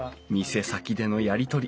店先でのやり取り。